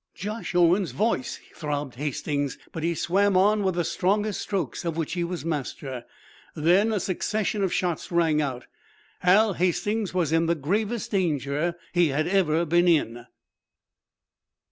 "Josh Owen's voice!" throbbed Hastings, but he swam on with the strongest strokes of which he was master. Then a succession of shots rang out. Hal Hastings was in the gravest danger he had ever been in.